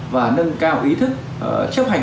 và nâng cao ý thức chấp hành